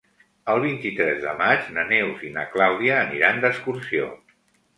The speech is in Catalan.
El vint-i-tres de maig na Neus i na Clàudia aniran d'excursió.